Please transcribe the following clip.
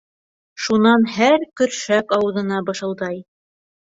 Шунан һәр көршәк ауыҙына бышылдай: